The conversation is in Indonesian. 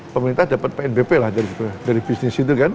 pemerintah dapat pnbp lah dari bisnis itu kan